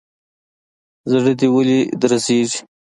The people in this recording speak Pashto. زړه دي ولي درزيږي.